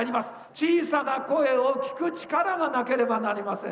小さな声を聞く力がなければなりません。